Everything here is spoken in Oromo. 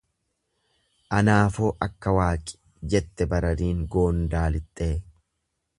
Anaafoo akka Waaqi jette barariin goondaa lixxee.